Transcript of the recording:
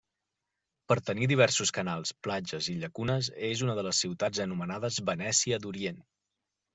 Per tenir diversos canals, platges i llacunes és una de les ciutats anomenades Venècia d'Orient.